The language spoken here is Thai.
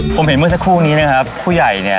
ผมเห็นเมื่อสักครู่นี้นะครับผู้ใหญ่เนี่ย